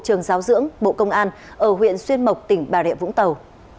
trường giáo dưỡng bộ công an ở huyện xuyên mộc tỉnh bà rịa vũng tàu